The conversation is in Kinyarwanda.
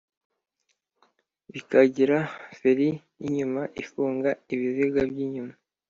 bikagira feri y’inyuma ifunga ibiziga by’inyuma